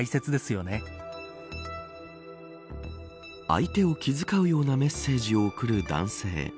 相手を気づかうようなメッセージを送る男性。